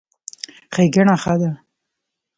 ښېګړه ښه ده.